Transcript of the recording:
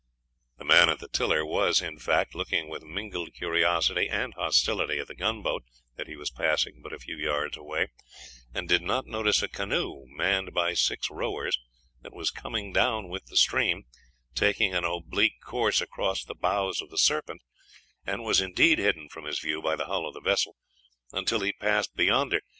The man at the tiller was in fact, looking, with mingled curiosity and hostility, at the gunboat that he was passing but a few yards away, and did not notice a canoe, manned by six rowers, that was coming down with the stream, taking an oblique course across the bows of the Serpent, and was indeed hidden from his view by the hull of the vessel, until he had passed beyond her.